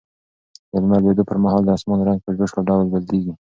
د لمر لوېدو پر مهال د اسمان رنګ په بشپړ ډول بدلېږي.